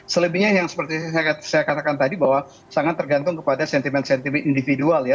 selebihnya yang seperti saya katakan tadi bahwa sangat tergantung kepada sentimen sentimen individual ya